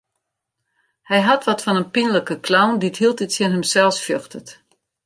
Hy hat wat fan in pynlike clown dy't hieltyd tsjin himsels fjochtet.